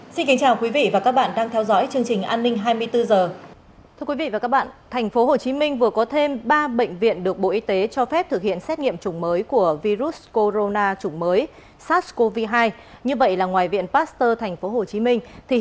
xin kính chào quý vị và các bạn đang theo dõi chương trình an ninh hai mươi bốn h